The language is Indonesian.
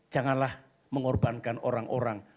janganlah mengorbankan orang orang